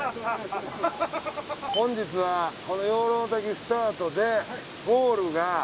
本日はこの養老の滝スタートでゴールが。